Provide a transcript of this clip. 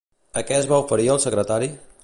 A què es va oferir el secretari?